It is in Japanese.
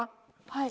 はい。